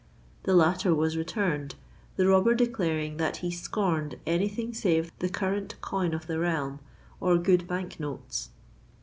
The latter was returned, the robber declaring that he scorned any thing save the current coin of the realm or good Bank notes.